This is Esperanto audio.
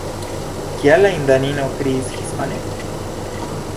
Kial la indianino kriis hispane?